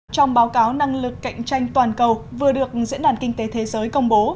trong báo cáo năng lực cạnh tranh toàn cầu vừa được diễn đàn kinh tế thế giới công bố